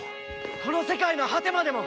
この世界の果てまでも！